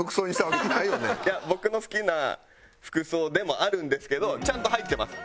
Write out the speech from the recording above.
いや僕の好きな服装でもあるんですけどちゃんと入ってます。